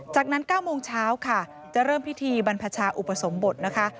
จากนั้น๙โมงเช้าค่ะจะเริ่มพิธีบรรพชาอุปสมบทนะคะ